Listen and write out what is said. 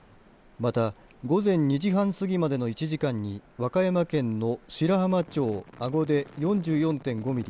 また午前２時半過ぎまでの１時間に和歌山県の白浜町安居で４４．５ミリ